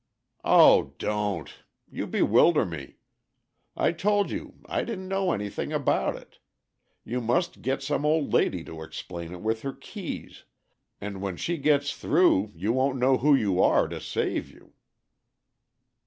"O don't! You bewilder me. I told you I didn't know anything about it. You must get some old lady to explain it with her keys, and when she gets through you won't know who you are, to save you."